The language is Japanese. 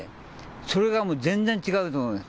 それがもう全然違うと思います。